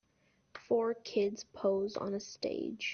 Four kids pose on a stage.